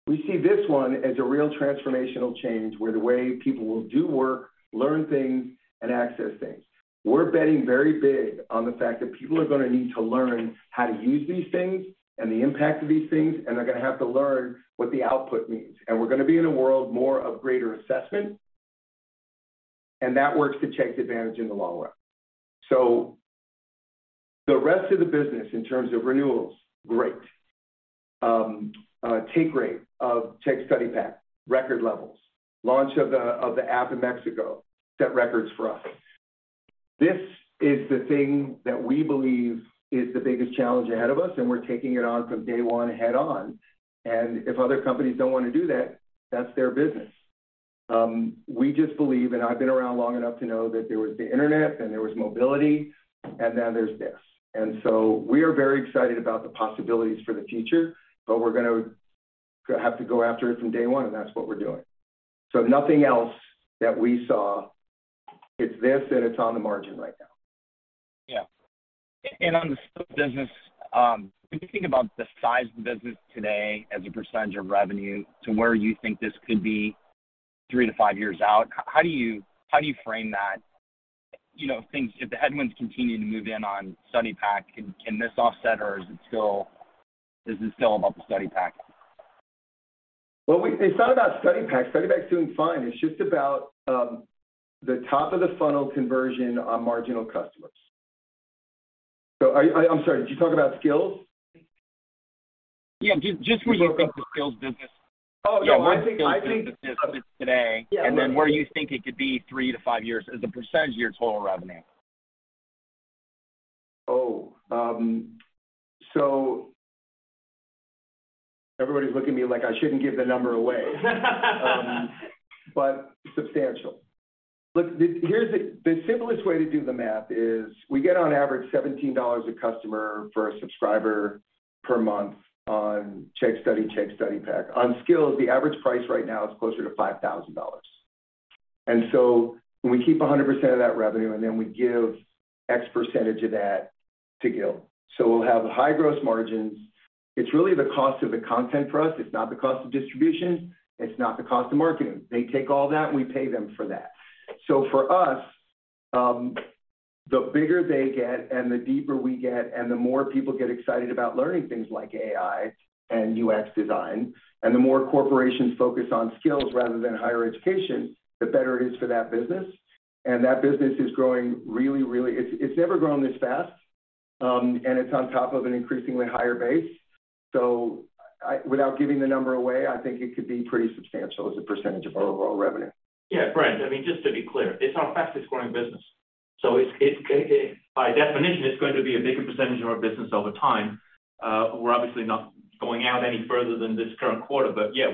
We see this one as a real transformational change where the way people will do work, learn things and access things. We're betting very big on the fact that people are gonna need to learn how to use these things and the impact of these things, and they're gonna have to learn what the output means. We're gonna be in a world more of greater assessment, and that works to Chegg's advantage in the long run. The rest of the business, in terms of renewals, great. Take rate of Chegg Study Pack, record levels. Launch of the app in Mexico set records for us. This is the thing that we believe is the biggest challenge ahead of us, and we're taking it on from day one head on. If other companies don't wanna do that's their business. We just believe, and I've been around long enough to know that there was the internet and there was mobility, and now there's this. We are very excited about the possibilities for the future, but we're gonna have to go after it from day one, and that's what we're doing. Nothing else that we saw. It's this, and it's on the margin right now. On the Chegg Skills business, when you think about the size of the business today as a percentage of revenue to where you think this could be 3-5 years out, how do you frame that? You know, if the headwinds continue to move in on Chegg Study Pack, can this offset or is it still about the Chegg Study Pack? Well, It's not about Chegg Study Pack. Chegg Study Pack's doing fine. It's just about the top of the funnel conversion on marginal customers. I'm sorry, did you talk about Chegg Skills? Yeah. just where you think the skills business- Oh, yeah. I think. Where the skills business sits today, and then where you think it could be three to five years as a percentage of your total revenue? Everybody's looking at me like I shouldn't give the number away. Substantial. Look, here's the... The simplest way to do the math is we get on average $17 a customer for a subscriber per month on Chegg Study, Chegg Study Pack. On skills, the average price right now is closer to $5,000. When we keep 100% of that revenue, and then we give X percentage of that to Guild. We'll have high gross margins. It's really the cost of the content for us. It's not the cost of distribution. It's not the cost of marketing. They take all that, and we pay them for that. For us, the bigger they get and the deeper we get and the more people get excited about learning things like AI and UX design, and the more corporations focus on skills rather than higher education, the better it is for that business. That business is growing really. It's never grown this fast, and it's on top of an increasingly higher base. I, without giving the number away, I think it could be pretty substantial as a percentage of our overall revenue. Brent, I mean, just to be clear, it's our fastest growing business. By definition, it's going to be a bigger percentage of our business over time. We're obviously not going out any further than this current quarter, yeah,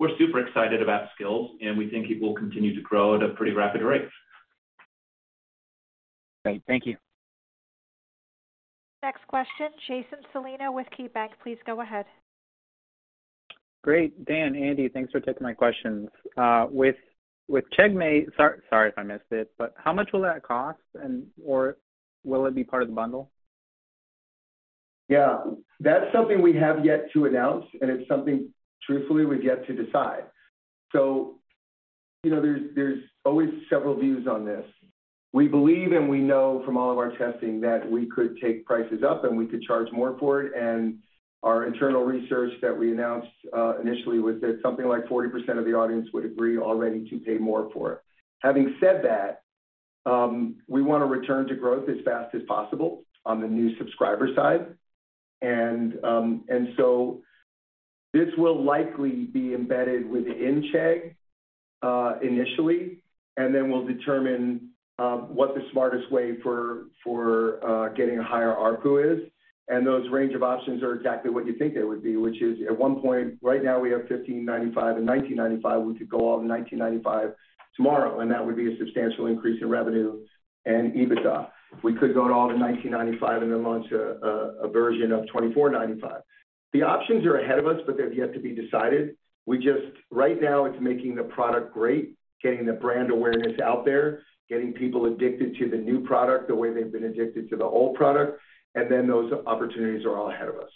we're super excited about Skills, we think it will continue to grow at a pretty rapid rate. Great. Thank you. Next question, Jason Celino with KeyBanc. Please go ahead. Great. Dan, Andy, thanks for taking my questions. With CheggMate, sorry if I missed it, but how much will that cost and or will it be part of the bundle? Yeah. That's something we have yet to announce, and it's something truthfully we've yet to decide. You know, there's always several views on this. We believe and we know from all of our testing that we could take prices up, and we could charge more for it, and our internal research that we announced initially was that something like 40% of the audience would agree already to pay more for it. Having said that, we wanna return to growth as fast as possible on the new subscriber side. This will likely be embedded within Chegg initially, and then we'll determine what the smartest way for getting a higher ARPU is. Those range of options are exactly what you think they would be, which is at one point- Right now we have $15.95 and $19.95. We could go all to $19.95 tomorrow, and that would be a substantial increase in revenue and EBITDA. We could go to all the $19.95 and then launch a version of $24.95. The options are ahead of us, but they've yet to be decided. Right now it's making the product great, getting the brand awareness out there, getting people addicted to the new product the way they've been addicted to the old product, and then those opportunities are all ahead of us.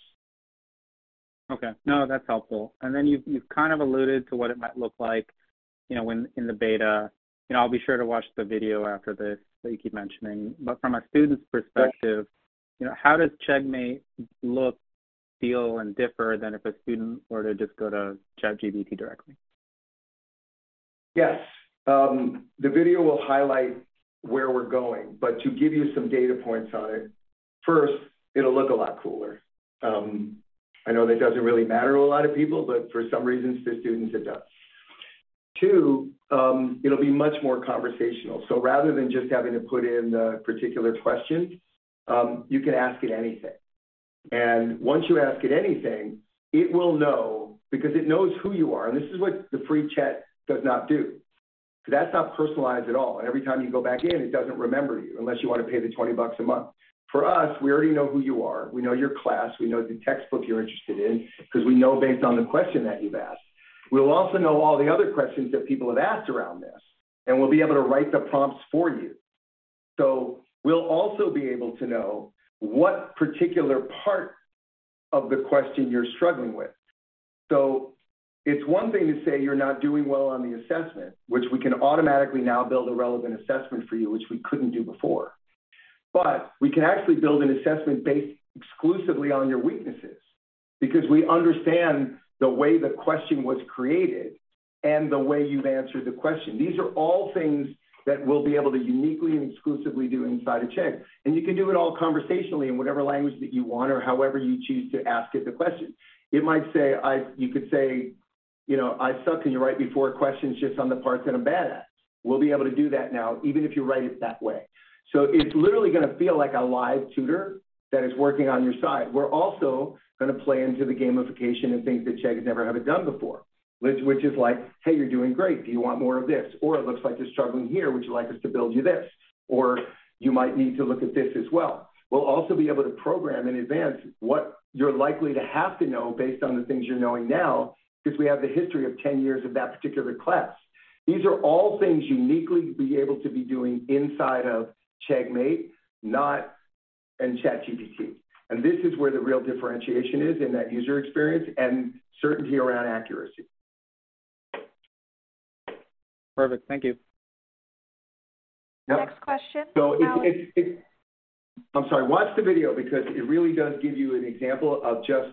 Okay. No, that's helpful. You've kind of alluded to what it might look like, you know, when in the beta. You know, I'll be sure to watch the video after this, that you keep mentioning. From a student's perspective- Yes... you know, how does CheggMate look, feel and differ than if a student were to just go to ChatGPT directly? Yes. The video will highlight where we're going, but to give you some data points on it, first, it'll look a lot cooler. I know that doesn't really matter to a lot of people, but for some reason, to students, it does. Two, it'll be much more conversational. Rather than just having to put in the particular question, you can ask it anything. Once you ask it anything, it will know because it knows who you are. This is what the free chat does not do. That's not personalized at all. Every time you go back in, it doesn't remember you, unless you wanna pay the 20 bucks a month. For us, we already know who you are. We know your class, we know the textbook you're interested in 'cause we know based on the question that you've asked. We'll also know all the other questions that people have asked around this, and we'll be able to write the prompts for you. We'll also be able to know what particular part of the question you're struggling with. It's one thing to say you're not doing well on the assessment, which we can automatically now build a relevant assessment for you, which we couldn't do before. We can actually build an assessment based exclusively on your weaknesses because we understand the way the question was created and the way you've answered the question. These are all things that we'll be able to uniquely and exclusively do inside of Chegg. You can do it all conversationally in whatever language that you want or however you choose to ask it the question. You could say, you know, "I suck, can you write me four questions just on the parts that I'm bad at?" We'll be able to do that now, even if you write it that way. It's literally gonna feel like a live tutor that is working on your side. We're also gonna play into the gamification and things that Chegg never have done before, which is like, "Hey, you're doing great. Do you want more of this?" Or, "It looks like you're struggling here. Would you like us to build you this?" Or, "You might need to look at this as well." We'll also be able to program in advance what you're likely to have to know based on the things you're knowing now, because we have the history of 10 years of that particular class. These are all things uniquely to be able to be doing inside of CheggMate, not in ChatGPT. This is where the real differentiation is in that user experience and certainty around accuracy. Perfect. Thank you. Yep. Next question. It. I'm sorry. Watch the video because it really does give you an example of just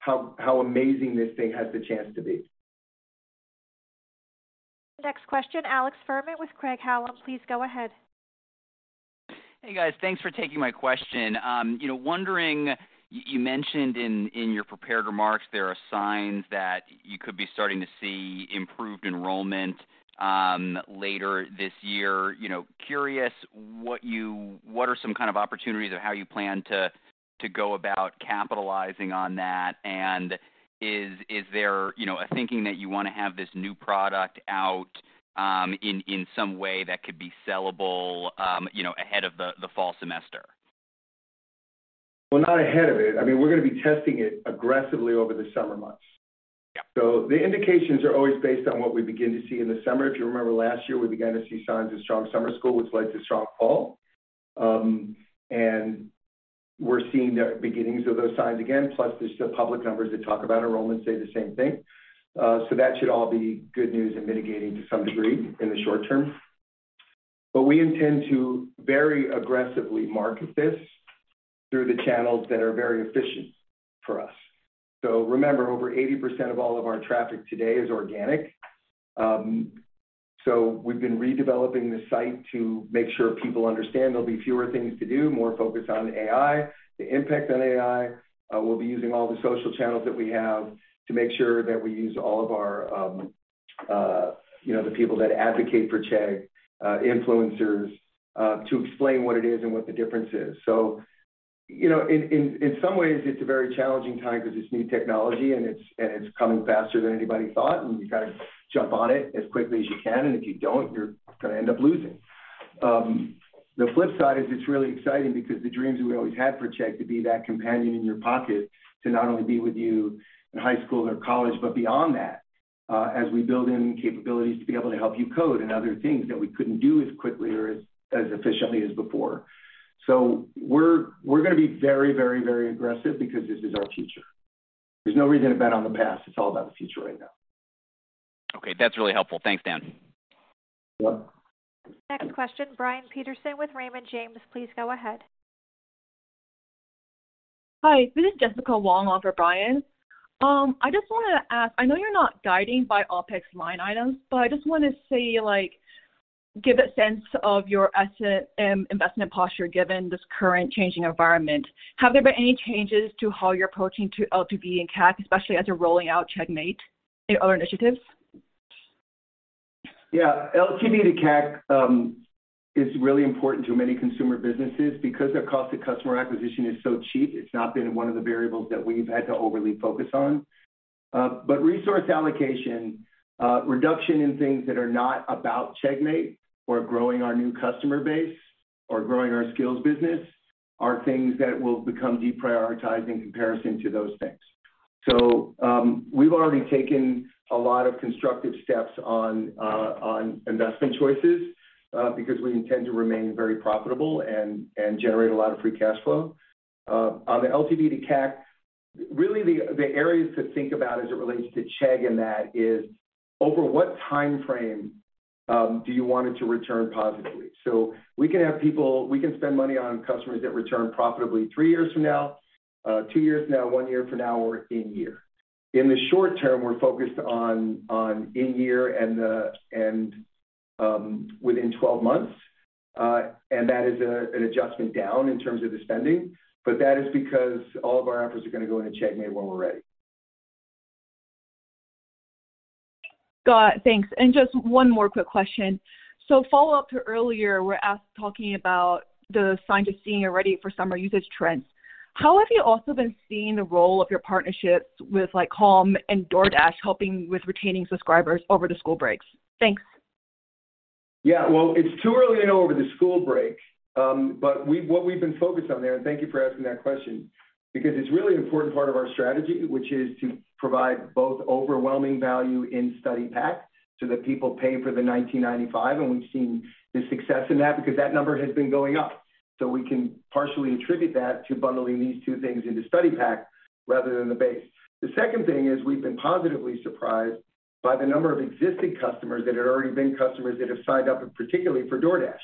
how amazing this thing has the chance to be. Next question, Alex Fuhrman with Craig-Hallum, please go ahead. Hey, guys. Thanks for taking my question. You know, wondering, you mentioned in your prepared remarks there are signs that you could be starting to see improved enrollment later this year. You know, curious what are some kind of opportunities of how you plan to go about capitalizing on that? Is there, you know, a thinking that you wanna have this new product out in some way that could be sellable, you know, ahead of the fall semester? Not ahead of it. I mean, we're gonna be testing it aggressively over the summer months. Yeah. The indications are always based on what we begin to see in the summer. If you remember last year, we began to see signs of strong summer school, which led to strong fall. We're seeing the beginnings of those signs again, plus there's still public numbers that talk about enrollment say the same thing. That should all be good news in mitigating to some degree in the short term. We intend to very aggressively market this through the channels that are very efficient for us. Remember, over 80% of all of our traffic today is organic. We've been redeveloping the site to make sure people understand there'll be fewer things to do, more focus on AI, the impact on AI. We'll be using all the social channels that we have to make sure that we use all of our, you know, the people that advocate for Chegg, influencers, to explain what it is and what the difference is. You know, in some ways, it's a very challenging time 'cause it's new technology, and it's coming faster than anybody thought, and you gotta jump on it as quickly as you can, and if you don't, you're gonna end up losing. The flip side is it's really exciting because the dreams we always had for Chegg to be that companion in your pocket to not only be with you in high school or college, but beyond that, as we build in capabilities to be able to help you code and other things that we couldn't do as quickly or as efficiently as before. We're gonna be very aggressive because this is our future. There's no reason to bet on the past. It's all about the future right now. Okay. That's really helpful. Thanks, Dan. Yep. Next question, Brian Peterson with Raymond James. Please go ahead. Hi. This is Jessica Wong off of Brian. I just wanted to ask, I know you're not guiding by OpEx line items, but I just wanna see. Give a sense of your asset and investment posture given this current changing environment. Have there been any changes to how you're approaching to LTV and CAC, especially as you're rolling out CheggMate and other initiatives? LTV to CAC is really important to many consumer businesses because their cost to customer acquisition is so cheap, it's not been one of the variables that we've had to overly focus on. Resource allocation, reduction in things that are not about CheggMate or growing our new customer base or growing our skills business are things that will become deprioritized in comparison to those things. We've already taken a lot of constructive steps on investment choices because we intend to remain very profitable and generate a lot of free cash flow. The LTV to CAC, really the areas to think about as it relates to Chegg in that is over what timeframe do you want it to return positively? We can have people, we can spend money on customers that return profitably 3 years from now, 2 years from now, 1 year from now, or in year. In the short-term, we're focused on in year and within 12 months. That is an adjustment down in terms of the spending, but that is because all of our efforts are gonna go into CheggMate when we're ready. Got it. Thanks. Just one more quick question. Follow-up to earlier, we're talking about the signs you're seeing already for summer usage trends. How have you also been seeing the role of your partnerships with, like, Calm and DoorDash helping with retaining subscribers over the school breaks? Thanks. Yeah. Well, it's too early to know over the school breaks. What we've been focused on there, and thank you for asking that question, because it's really an important part of our strategy, which is to provide both overwhelming value in Study Pack so that people pay for the $19.95, and we've seen the success in that because that number has been going up. We can partially attribute that to bundling these two things into Study Pack rather than the base. The second thing is we've been positively surprised by the number of existing customers that had already been customers that have signed up, particularly for DoorDash.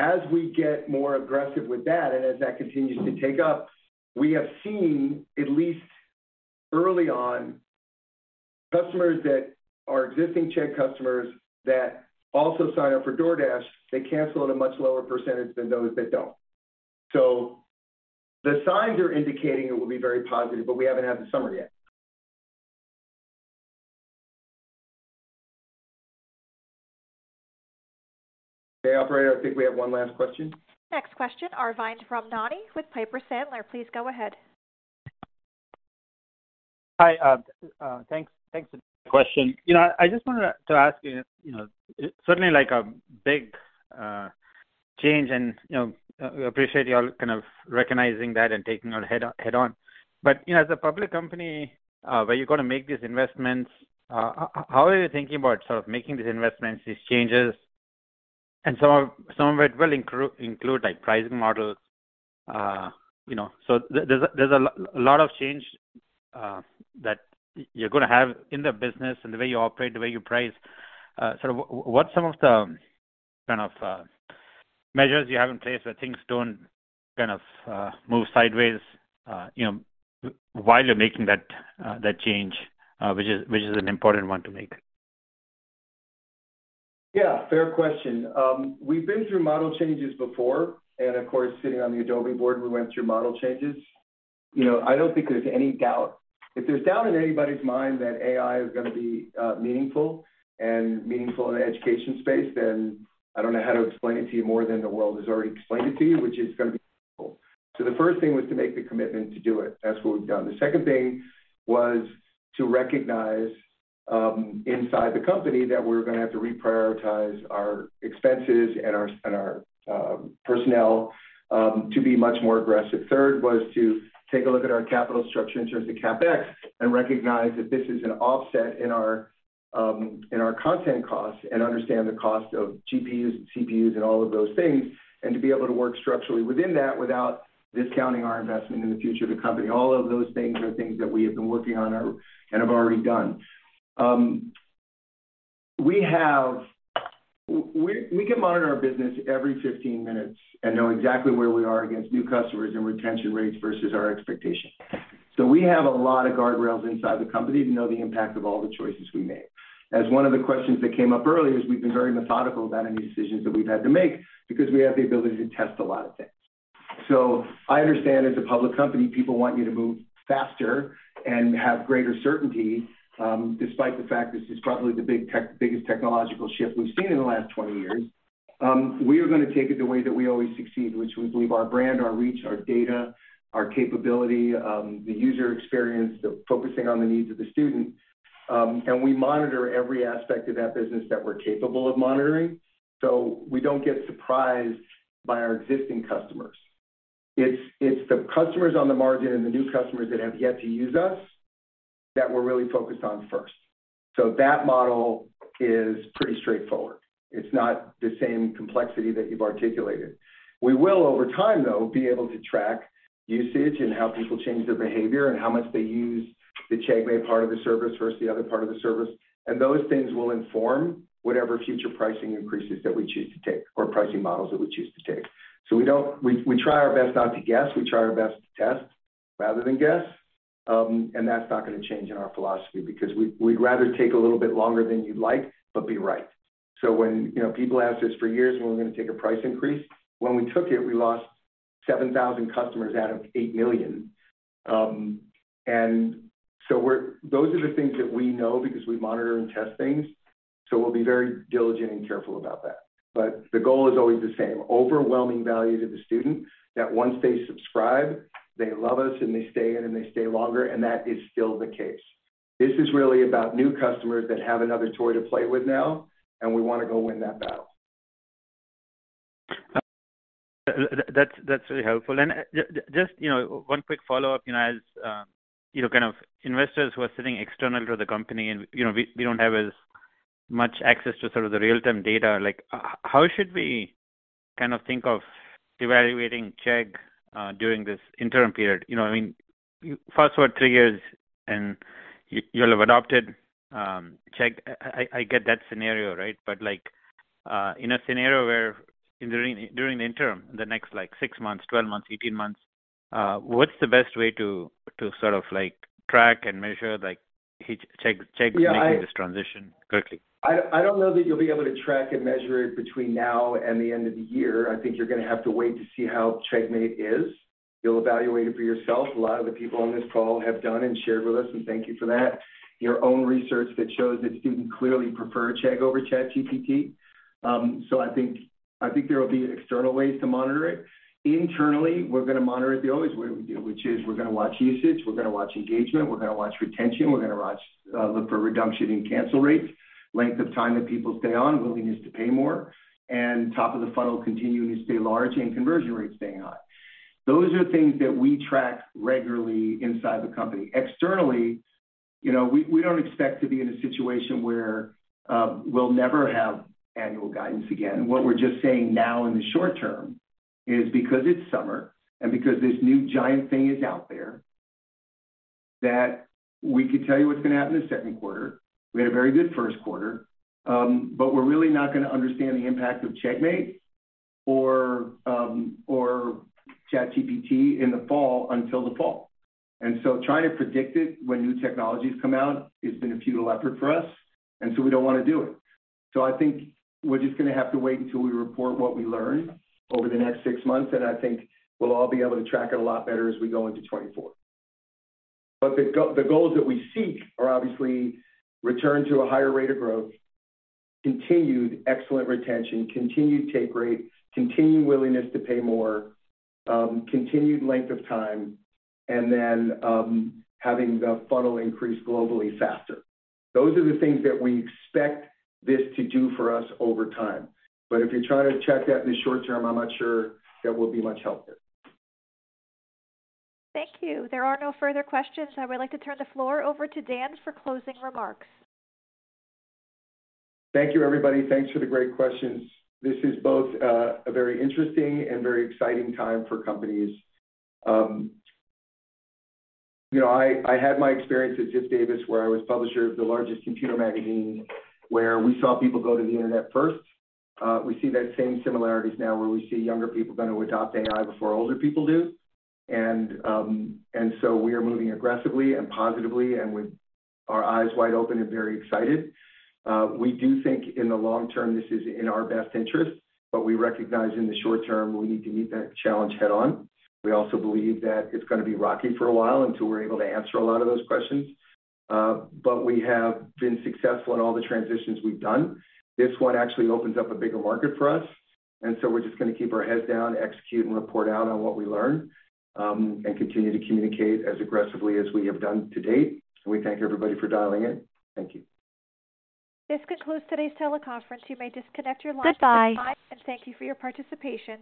As we get more aggressive with that and as that continues to take up, we have seen, at least early on, customers that are existing Chegg customers that also sign up for DoorDash, they cancel at a much lower percentage than those that don't. The signs are indicating it will be very positive, but we haven't had the summer yet. Operator, I think we have one last question. Next question, Arvind Ramnani with Piper Sandler. Please go ahead. Hi. Thanks. Thanks for taking the question. You know, I just wanted to ask you know, certainly like a big change and, you know, we appreciate y'all kind of recognizing that and taking it head on. You know, as a public company, where you're gonna make these investments, how are you thinking about sort of making these investments, these changes? Some of it will include like pricing models, you know. There's a lot of change that you're gonna have in the business and the way you operate, the way you price. What's some of the kind of measures you have in place where things don't kind of move sideways, you know, while you're making that change, which is an important one to make? Yeah, fair question. We've been through model changes before, and of course, sitting on the Adobe board, we went through model changes. You know, I don't think there's any doubt. If there's doubt in anybody's mind that AI is gonna be meaningful and meaningful in the education space, then I don't know how to explain it to you more than the world has already explained it to you, which is gonna be meaningful. The first thing was to make the commitment to do it. That's what we've done. The second thing was to recognize inside the company that we're gonna have to reprioritize our expenses and our personnel, to be much more aggressive. Third was to take a look at our capital structure in terms of CapEx and recognize that this is an offset in our in our content costs and understand the cost of GPUs, CPUs, and all of those things, and to be able to work structurally within that without discounting our investment in the future of the company. All of those things are things that we have been working on and have already done. We have we can monitor our business every 15 minutes and know exactly where we are against new customers and retention rates versus our expectations. We have a lot of guardrails inside the company to know the impact of all the choices we make. As one of the questions that came up earlier is we've been very methodical about any decisions that we've had to make because we have the ability to test a lot of things. I understand as a public company, people want you to move faster and have greater certainty, despite the fact this is probably the biggest technological shift we've seen in the last 20 years. We are gonna take it the way that we always succeed, which we believe our brand, our reach, our data, our capability, the user experience, the focusing on the needs of the student. We monitor every aspect of that business that we're capable of monitoring, so we don't get surprised by our existing customers. It's the customers on the margin and the new customers that have yet to use us that we're really focused on first. That model is pretty straightforward. It's not the same complexity that you've articulated. We will, over time, though, be able to track usage and how people change their behavior and how much they use the CheggMate part of the service versus the other part of the service. Those things will inform whatever future pricing increases that we choose to take or pricing models that we choose to take. We try our best not to guess. We try our best to test rather than guess. That's not gonna change in our philosophy because we'd rather take a little bit longer than you'd like, but be right. When, you know, people asked us for years when we're gonna take a price increase, when we took it, we lost 7,000 customers out of 8 million. Those are the things that we know because we monitor and test things, so we'll be very diligent and careful about that. But the goal is always the same, overwhelming value to the student, that once they subscribe, they love us, and they stay in, and they stay longer, and that is still the case. This is really about new customers that have another toy to play with now, and we wanna go win that battle. That's, that's really helpful. Just, you know, one quick follow-up, you know, as, you know, kind of investors who are sitting external to the company and, you know, we don't have as much access to sort of the real-time data, like, how should we kind of think of evaluating Chegg during this interim period? You know what I mean? Fast-forward three years and you'll have adopted Chegg. I get that scenario, right? Like, in a scenario where during the interim, the next, like, six months, 12 months, 18 months, what's the best way to sort of like track and measure, like, Chegg- Yeah. Chegg making this transition quickly? I don't know that you'll be able to track and measure it between now and the end of the year. I think you're gonna have to wait to see how CheggMate is. You'll evaluate it for yourself. A lot of the people on this call have done and shared with us, and thank you for that. Your own research that shows that students clearly prefer Chegg over ChatGPT. I think there will be external ways to monitor it. Internally, we're gonna monitor it the only way we do, which is we're gonna watch usage, we're gonna watch engagement, we're gonna watch retention, we're gonna watch look for redemption in cancel rates, length of time that people stay on, willingness to pay more, and top of the funnel continuing to stay large and conversion rates staying high. Those are things that we track regularly inside the company. Externally, you know, we don't expect to be in a situation where we'll never have annual guidance again. What we're just saying now in the short term is because it's summer and because this new giant thing is out there, that we could tell you what's gonna happen in the second quarter. We had a very good first quarter, but we're really not gonna understand the impact of CheggMate or ChatGPT in the fall until the fall. Trying to predict it when new technologies come out has been a futile effort for us, and so we don't wanna do it. I think we're just gonna have to wait until we report what we learn over the next six months, and I think we'll all be able to track it a lot better as we go into 2024. The goals that we seek are obviously return to a higher rate of growth, continued excellent retention, continued take rate, continued willingness to pay more, continued length of time, and then, having the funnel increase globally faster. Those are the things that we expect this to do for us over time. If you're trying to check that in the short term, I'm not sure that will be much help there. Thank you. There are no further questions. I would like to turn the floor over to Dan for closing remarks. Thank you, everybody. Thanks for the great questions. This is both a very interesting and very exciting time for companies. You know, I had my experience at Ziff Davis, where I was publisher of the largest computer magazine, where we saw people go to the internet first. We see that same similarities now, where we see younger people gonna adopt AI before older people do. We are moving aggressively and positively and with our eyes wide open and very excited. We do think in the long term this is in our best interest. We recognize in the short term we need to meet that challenge head-on. We also believe that it's gonna be rocky for a while until we're able to answer a lot of those questions. We have been successful in all the transitions we've done. This one actually opens up a bigger market for us, and so we're just gonna keep our heads down, execute and report out on what we learn, and continue to communicate as aggressively as we have done to date. We thank everybody for dialing in. Thank you. This concludes today's teleconference. You may disconnect your lines. *crosstalk* Bye and thank you for your participation.